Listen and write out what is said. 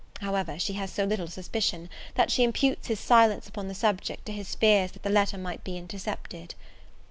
However, she has so little suspicion, that she imputes his silence upon the subject to his fears that the letter might be intercepted.